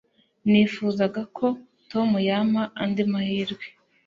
Nifuzaga ko Tom yampa andi mahirwe.